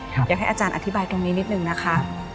อยากให้อาจารย์อธิบายตรงนี้นิดนึงนะคะ